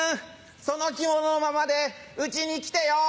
その着物のままでうちに来てよ！